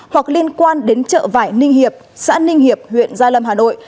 hoặc liên quan đến chợ vải ninh hiệp xã ninh hiệp huyện gia lâm hà nội